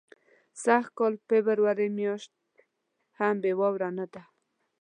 سږ کال فبرورۍ میاشت هم بې واورو نه ده.